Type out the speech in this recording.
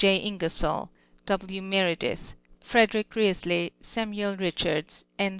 J. Itig ersoll, AV. Meredith, l 'rederick Beasley, Samuel liichards, X.